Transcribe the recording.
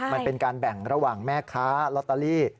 มันเป็นการแบ่งระหว่างแม่ค้าลอตเตอรี่